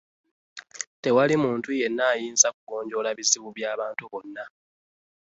Tewali muntu yenna ayinza kugonjoola bizibu bya bantu bonna